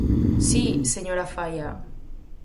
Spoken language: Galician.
¡Si, señora Faia!